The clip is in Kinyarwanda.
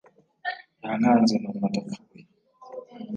Yankanze numva ndapfuye